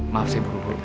maaf saya buruk buruk